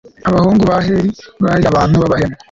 abahungu ba heli bari abantu b'abahemu